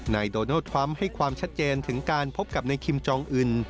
โดนัลดทรัมป์ให้ความชัดเจนถึงการพบกับนายคิมจองอื่น